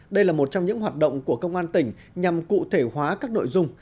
đây là một trong những hoạt động của công an tỉnh nhằm cụ thể hóa các nội dung